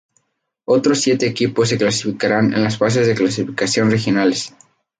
Otros siete equipos se clasificarán en las fases de clasificación regionales.